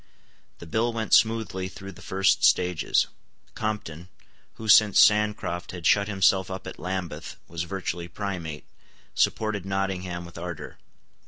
The bill went smoothly through the first stages. Compton, who, since Sancroft had shut himself up at Lambeth, was virtually Primate, supported Nottingham with ardour.